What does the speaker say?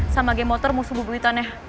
sama game motor musuh bubu hitamnya